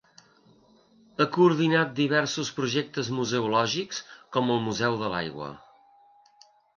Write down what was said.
Ha coordinat diversos projectes museològics, com el Museu de l'Aigua.